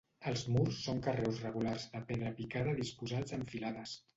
Els murs són carreus regulars de pedra picada disposats en filades.